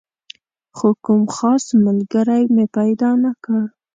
خو کوم خاص ملګری مې پیدا نه کړ.